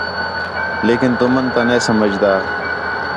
لیکن تُمن تا نے سمجھدا